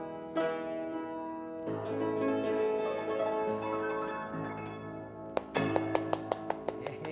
mbak desi nyanyi